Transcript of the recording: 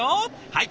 はい。